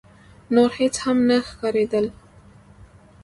نور هيڅ هم نه ښکارېدل.